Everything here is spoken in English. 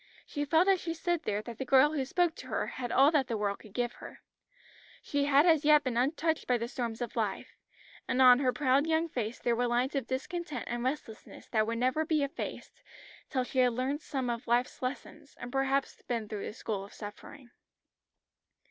She felt as she stood there that the girl who spoke to her had all that the world could give her. She had as yet been untouched by the storms of life, and on her proud young face there were lines of discontent and restlessness that would never be effaced till she had learnt some of life's lessons, and perhaps been through the school of suffering.